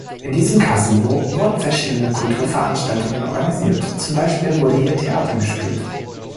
In diesem Kasino wurden verschiedene Kulturveranstaltungen organisiert, zum Beispiel wurde hier Theater gespielt.